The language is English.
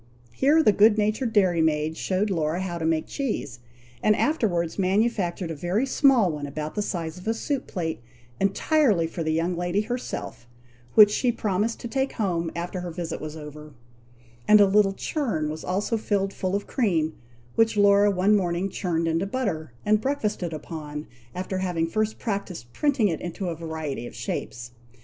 Here the good natured dairy maid showed Laura how to make cheese, and afterwards manufactured a very small one about the size of a soup plate, entirely for the young lady herself, which she promised to take home after her visit was over; and a little churn was also filled full of cream, which Laura one morning churned into butter, and breakfasted upon, after having first practised printing it into a variety of shapes.